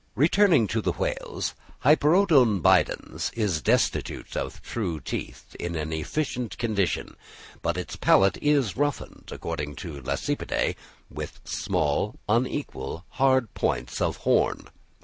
Returning to the whales. The Hyperoodon bidens is destitute of true teeth in an efficient condition, but its palate is roughened, according to Lacepede, with small unequal, hard points of horn.